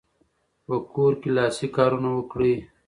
په کور کې لاسي کارونه وکړئ.